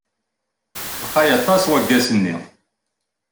Lqay aṭas waggas-nni?